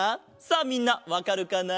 さあみんなわかるかな？